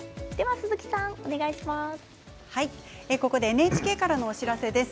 ＮＨＫからのお知らせです。